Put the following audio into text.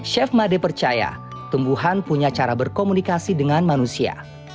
chef made percaya tumbuhan punya cara berkomunikasi dengan manusia